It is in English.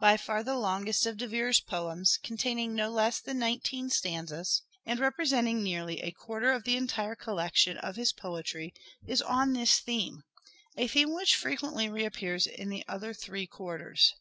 By far the longest of De Vere's poems, containing no less than nineteen stanzas, and representing nearly a quarter of the entire collection of his poetry, is on this theme : a theme which frequently reappears in the other three quarters.